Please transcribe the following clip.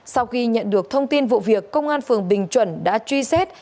sau khi nhận được thông tin vụ việc công an phường bình chuẩn đã truy xét